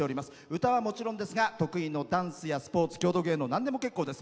歌はもちろんですが得意のダンスやスポーツ郷土芸能なんでも結構です。